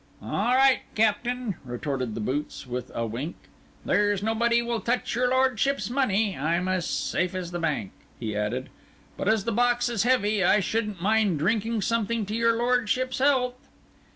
"All right, captain," retorted the boots with a wink. "There's nobody will touch your lordship's money. I'm as safe as the bank," he added; "but as the box is heavy, I shouldn't mind drinking something to your lordship's health."